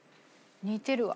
似てるわ。